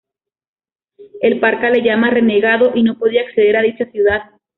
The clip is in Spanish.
El Parca le llama renegado y no podía acceder a dicha ciudad.